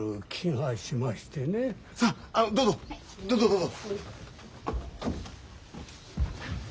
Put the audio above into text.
さっどうぞどうぞどうぞ。